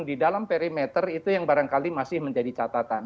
di dalam perimeter itu yang barangkali masih menjadi catatan